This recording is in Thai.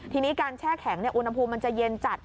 ทีนี้การแช่แข็งอุณหภูมิมันจะเย็นจัด